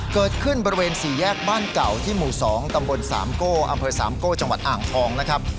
เกิดขึ้นบริเวณสี่แยกบ้านเก่าที่หมู่๒ตำบลสามโก้อำเภอสามโก้จังหวัดอ่างทองนะครับ